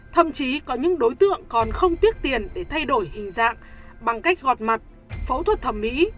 thậm chí có những đối tượng còn không tiếc tiền để thay đổi hình dạng bằng cách gọt mặt phẫu thuật thẩm mỹ